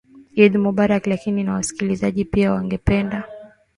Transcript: idd mubarak lakini na wasikilizaji pia tungependa